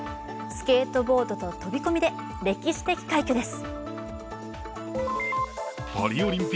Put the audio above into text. スケートボードと飛び込みで歴史的快挙です。